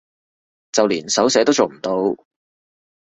就連手寫都做唔到